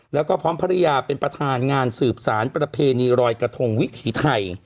แล้วก็พร้อมภรรยาเป็นประธานงานสืบสารประเพณีรอยกระทงวิถีไทย